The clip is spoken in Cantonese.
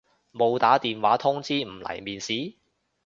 冇打電話通知唔嚟面試？